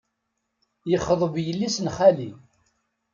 Yexḍeb yelli-s n xali.